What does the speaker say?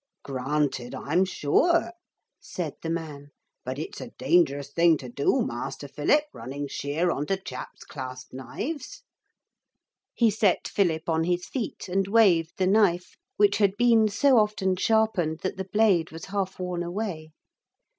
'Granted, I'm sure,' said the man; 'but it's a dangerous thing to do, Master Philip, running sheer on to chaps' clasp knives.' He set Philip on his feet, and waved the knife, which had been so often sharpened that the blade was half worn away.